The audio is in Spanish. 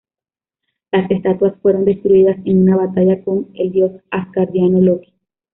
Las estatuas fueron destruidas en una batalla con el Dios Asgardiano, Loki.